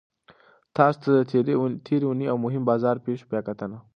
تاسو ته د تیرې اونۍ د مهمو بازار پیښو بیاکتنه